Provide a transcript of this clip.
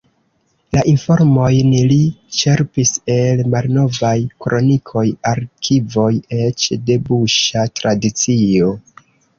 La informojn li ĉerpis el malnovaj kronikoj, arkivoj, eĉ de buŝa tradicio.